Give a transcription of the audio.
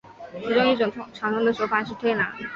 其中一种常用的手法是推拿。